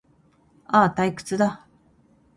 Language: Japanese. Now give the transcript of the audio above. ああ、退屈だ